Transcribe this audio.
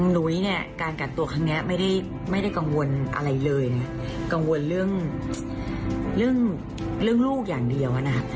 นุ้ยเนี่ยการกักตัวครั้งนี้ไม่ได้กังวลอะไรเลยนะกังวลเรื่องเรื่องลูกอย่างเดียวนะคะ